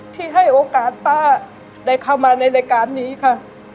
ที่ให้โอกาสป้าได้เข้ามาในรายการนี้ค่ะ